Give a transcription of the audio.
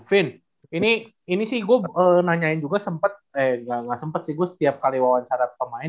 vin ini sih gue nanyain juga sempat eh nggak sempat sih gue setiap kali wawancara pemain